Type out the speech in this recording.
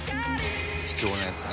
「貴重なやつね。